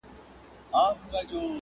د غمي له زوره مست ګرځي نشه دی.